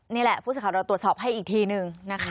นี่แหละผู้สื่อข่าวเราตรวจสอบให้อีกทีนึงนะคะ